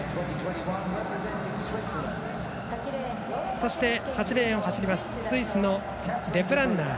そして、８レーンを走りますスイスのデプルンナー。